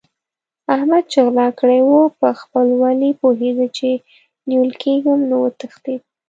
احمد چې غلا کړې وه؛ په خپل ولي پوهېد چې نيول کېږم نو وتښتېد.